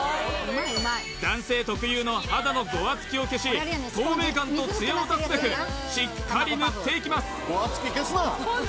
男性特有の肌のゴワツキを消し透明感とツヤを出すべくしっかり塗っていきます